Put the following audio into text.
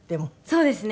そうですね。